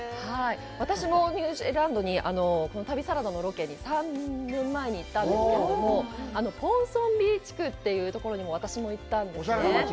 私もニュージーランドに旅サラダのロケで３年前に行ったんですけれども、ポンソンビー地区というところに私も行ったんですね。